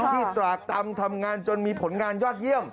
ตรากตำทำงานจนมีผลงานยอดเยี่ยม